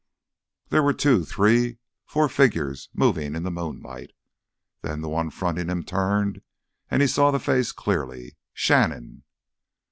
There were two—three—four figures moving in the moonlight. Then the one fronting him turned and he saw the face clearly. Shannon!